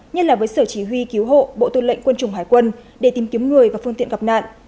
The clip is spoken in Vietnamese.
nhất là với sở chỉ huy cứu hộ bộ tư lệnh quân chủng hải quân để tìm kiếm người và phương tiện gặp nạn